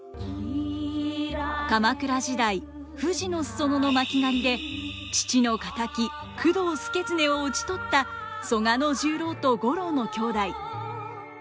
鎌倉時代富士の裾野の巻狩で父の敵工藤祐経を討ち取った曽我十郎と五郎の兄弟。